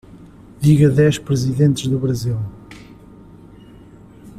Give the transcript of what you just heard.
Diga dez Presidentes do Brasil.